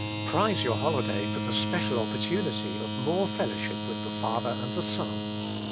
Prize your holiday for the special opportunity of more fellowship with the Father and the Son.